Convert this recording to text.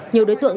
nhiều đối tượng